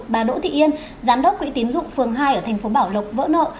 bà đỗ thị yên giám đốc quỹ tiến dụng phường hai ở thành phố bảo lộc vỡ nợ